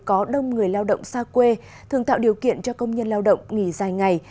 có đông người lao động xa quê thường tạo điều kiện cho công nhân lao động nghỉ dài ngày